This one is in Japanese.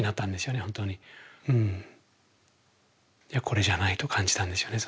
いやこれじゃないと感じたんですよね